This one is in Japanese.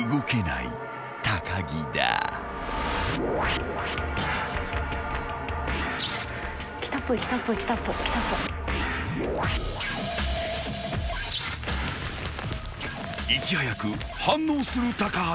［いち早く反応する橋］